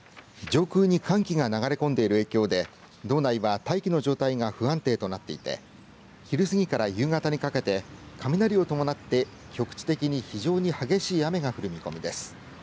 上空に寒気が流れ込んでいる影響で道内は、大気の状態が不安定となっていて昼過ぎから夕方にかけて雷を伴って局地的に非常に激しい雨が降る見込みです。